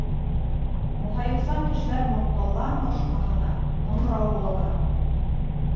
Маһайыусан кешеләр маҡтауҙан башҡаһына һаңғрау булалар.